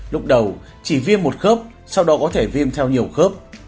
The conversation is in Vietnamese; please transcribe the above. lúc đầu chỉ viêm một khớp sau đó có thể viêm theo nhiều khớp